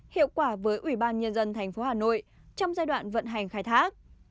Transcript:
hiệu quả với ubnd tp hà nội trong giai đoạn vận hành khai thác